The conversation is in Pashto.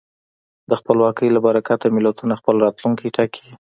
د خپلواکۍ له برکته ملتونه خپل راتلونکی ټاکي.